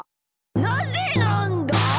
なぜなんだ！？